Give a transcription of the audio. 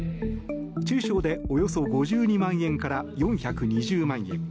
中小で、およそ５２万円から４２０万円。